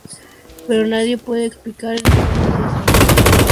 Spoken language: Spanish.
Pero nadie puede explicar el fenómeno de su origen.